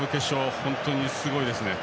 本当にすごいですね。